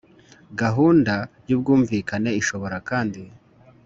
Gahunda y ubwumvikane ishobora kandi